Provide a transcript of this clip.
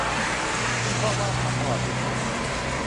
ซึ่งช่องว่างทางประวัติศาสตร์นี้